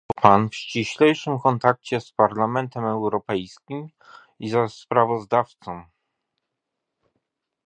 Szkoda, że nie pozostawał pan w ściślejszym kontakcie z Parlamentem Europejskim i ze sprawozdawcą